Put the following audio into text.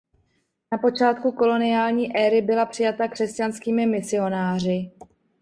Na počátku koloniální éry byla přijata křesťanskými misionáři.